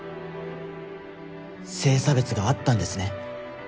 性差別があったんですね？